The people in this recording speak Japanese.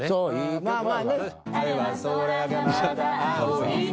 まあまあ。